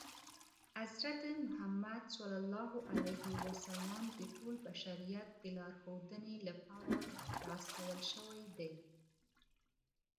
حضرت محمد ص د ټول بشریت د لارښودنې لپاره را استول شوی دی.